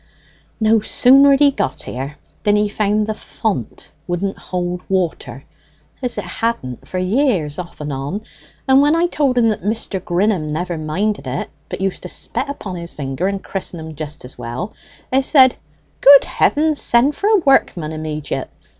"No sooner had he got here than he found the font wouldn't hold water, as it hadn't for years off and on; and when I told him that Mr. Grinham never minded it, but used to spet upon his vinger and christen 'em just as well, 'a said, 'Good Heavens! Send for a workman immediate.